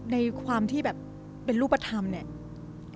ในความที่แบบเป็นรูปธรรมเนี่ย